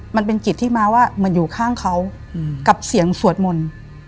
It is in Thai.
มันเป็นจิตที่มาว่าเหมือนอยู่ข้างเขากับเสียงสวดมนต์